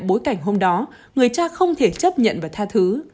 bối cảnh hôm đó người cha không thể chấp nhận và tha thứ